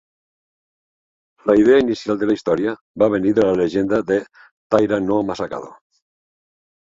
La idea inicial de la història va venir de la llegenda de Taira no Masakado.